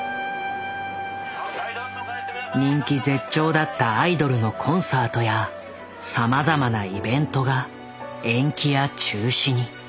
人気絶頂だったアイドルのコンサートやさまざまなイベントが延期や中止に。